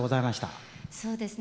そうですね